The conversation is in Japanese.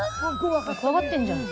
怖がってんじゃん。